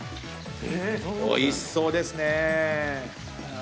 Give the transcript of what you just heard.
おいしそうですね。